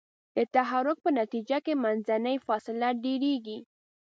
د تحرک په نتیجه کې منځنۍ فاصله ډیریږي.